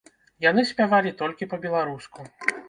Яны спявалі толькі па-беларуску.